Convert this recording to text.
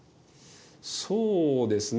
そうですね